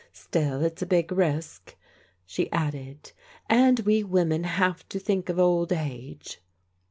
Still it's a big risk, 5he added, " and we women have to think of old age.